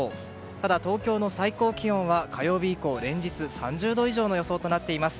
ただ、東京の最高気温は火曜日以降、連日３０度以上の予想となっています。